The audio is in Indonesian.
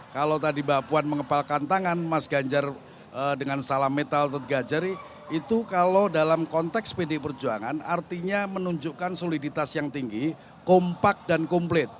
kalau tadi bapuan mengepalkan tangan mas ganjar dengan salam metal atau tiga jari itu kalau dalam konteks pd perjuangan artinya menunjukkan soliditas yang tinggi kompak dan komplit